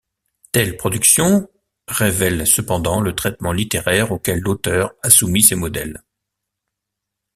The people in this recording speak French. Telle production révèle cependant le traitement littéraire auquel l'auteur a soumis ses modèles.